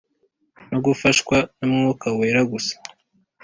no gufashwa na mwuka wera gusa